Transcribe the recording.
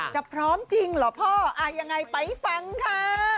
พร้อมจริงเหรอพ่อยังไงไปฟังค่ะ